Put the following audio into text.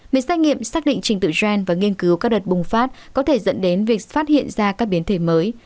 biến xét nghiệm xác định trình tựu gene và nghiên cứu các đợt bùng phát có thể dẫn đến việc phát hiện ra các biến thể mới